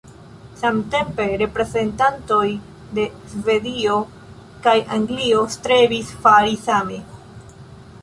Samtempe, reprezentantoj de Svedio kaj Anglio strebis fari same.